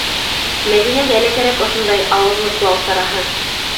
Мәҙинәгә лә кәрәк ошондай ауыҙлыҡлау сараһы!